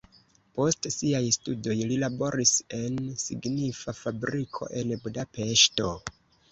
Post siaj studoj li laboris en signifa fabriko en Budapeŝto.